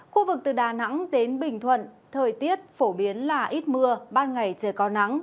khu vực từ đà nẵng đến bình thuận thời tiết phổ biến là ít mưa ban ngày trời có nắng